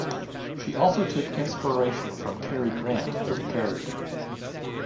She also took inspiration from Cary Grant for the character.